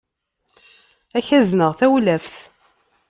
Ad k-azneɣ tawlaft.